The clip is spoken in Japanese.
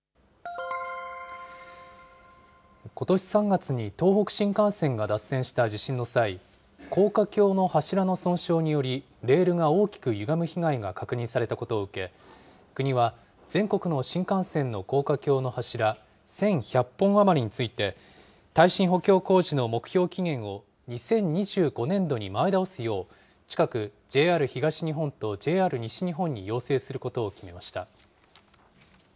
ことし３月に東北新幹線が脱線した地震の際、高架橋の柱の損傷により、レールが大きくゆがむ被害が確認されたことを受け、国は全国の新幹線の高架橋の柱１１００本余りについて、耐震補強工事の目標期限を２０２５年度に前倒すよう、近く、ＪＲ東日本とＪＲ西日本に要請することを決めました。